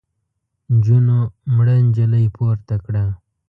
نجونو مړه نجلۍ پورته کړه.